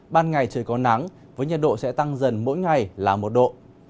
ban ngày trời có nắng với nhiệt độ sẽ tăng dần mỗi ngày là một độ